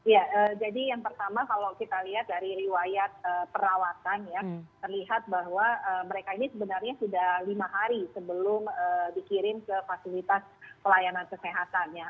ya jadi yang pertama kalau kita lihat dari riwayat perawatan ya terlihat bahwa mereka ini sebenarnya sudah lima hari sebelum dikirim ke fasilitas pelayanan kesehatan ya